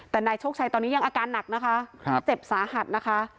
แต่นายโชคชัยตอนนี้ยังอาการหนักนะคะเจ็บสาหัสนะคะ